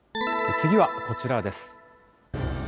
次はこちらです。